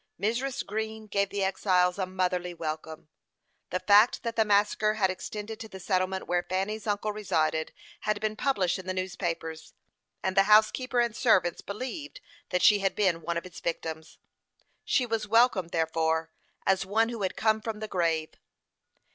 Mrs. Green gave the exiles a motherly welcome. The fact that the massacre had extended to the settlement where Fanny's uncle resided had been published in the newspapers, and the housekeeper and servants believed that she had been one of its victims. She was welcomed, therefore, as one who had come from the grave.